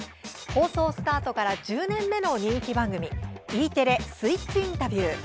放送スタートから１０年目の人気番組Ｅテレ「スイッチインタビュー」。